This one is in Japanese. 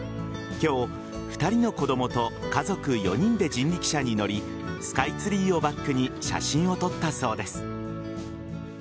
今日、２人の子供と家族４人で人力車に乗りスカイツリーをバックに写真を撮ったそうです。